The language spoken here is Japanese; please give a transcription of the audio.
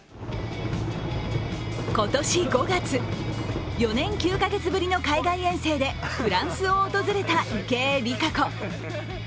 今年５月、４年９か月ぶりの海外遠征でフランスを訪れた池江璃花子。